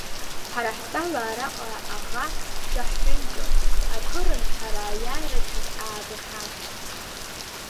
Ҳара ҳтәала араҟа аӷа даҳҳәынҷон, акырынтә ҳара аиааирагь аагахьан.